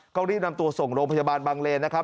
ก็รีบนำตัวส่งโรงพยาบาลบางเลนนะครับ